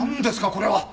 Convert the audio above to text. これは。